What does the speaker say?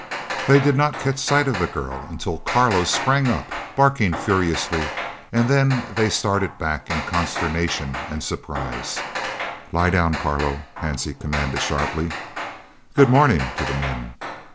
They did not catch sight of the girl until Carlo sprang up barking furiously, and then they started back in consternation and surprise. "Lie down, Carlo," Hansie commanded sharply. "Good morning," to the men.